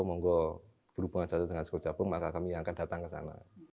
mau berhubungan dengan sekolah jawa maka kami akan datang ke sana